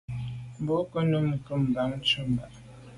Mbwôg ko’ num kum ba’ ntshùb tu ba’.